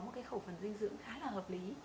một khẩu phần dinh dưỡng khá là hợp lý